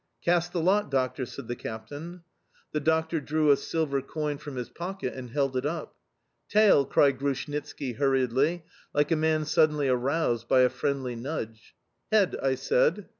"Cast the lot, doctor!" said the captain. The doctor drew a silver coin from his pocket and held it up. "Tail!" cried Grushnitski hurriedly, like a man suddenly aroused by a friendly nudge. "Head," I said.